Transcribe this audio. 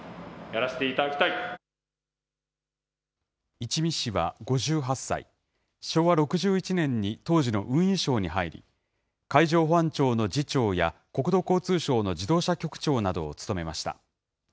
一見氏は５８歳、昭和６１年に当時の運輸省に入り、海上保安庁の次長や国土交通省の自動車局長などを務めました。